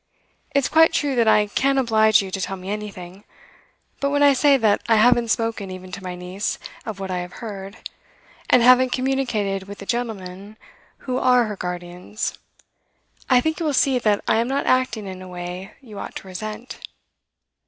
It's quite true that I can't oblige you to tell me anything; but when I say that I haven't spoken even to my niece of what I have heard, and haven't communicated with the gentlemen who are her guardians, I think you will see that I am not acting in a way you ought to resent.